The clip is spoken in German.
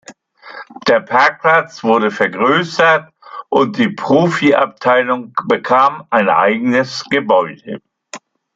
Der Parkplatz wurde vergrößert und die Profiabteilung bekam ein eigenes Gebäude.